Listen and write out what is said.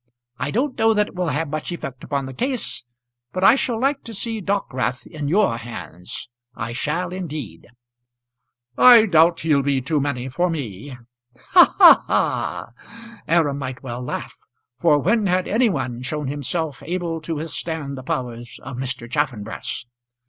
I don't know that it will have much effect upon the case, but I shall like to see Dockwrath in your hands; I shall indeed." "I doubt he'll be too many for me." "Ha, ha, ha!" Aram might well laugh; for when had any one shown himself able to withstand the powers of Mr. Chaffanbrass?